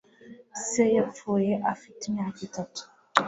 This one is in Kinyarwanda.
Se yapfuye afite imyaka itatu